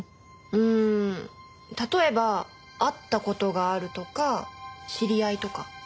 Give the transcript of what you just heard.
うん例えば会った事があるとか知り合いとか？